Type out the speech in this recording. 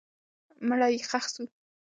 مړی یې ښخ سو.